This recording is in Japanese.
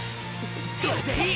それでいい！